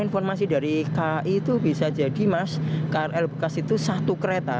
informasi dari kai itu bisa jadi mas krl bekas itu satu kereta